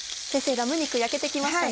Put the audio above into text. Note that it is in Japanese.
ラム肉焼けて来ましたね。